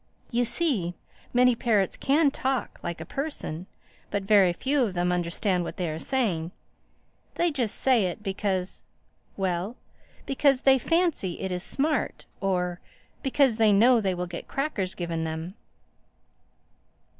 You see, many parrots can talk like a person, but very few of them understand what they are saying. They just say it because—well, because they fancy it is smart or, because they know they will get crackers given them."